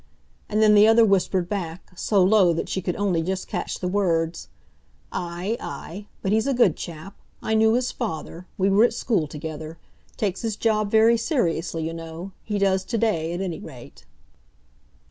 And then the other whispered back, so low that she could only just catch the words, "Aye, aye. But he's a good chap—I knew his father; we were at school together. Takes his job very seriously, you know—he does to day, at any rate."